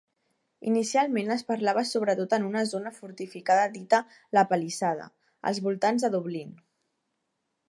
Inicialment es parlava sobretot en una zona fortificada dita La Palissada, als voltants de Dublín.